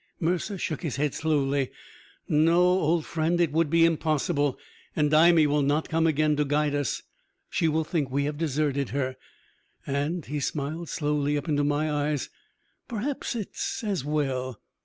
Mercer shook his head slowly. "No, old friend, it would be impossible. And Imee will not come again to guide us; she will think we have deserted her. And" he smiled slowly up into my eyes "perhaps it is as well.